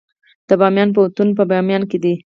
د بامیان پوهنتون په بامیان کې دی